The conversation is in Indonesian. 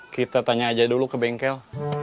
kita tanya aja dulu ke bengkel